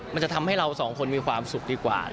มันจะทำให้เราสองคนมีความสุขดีกว่า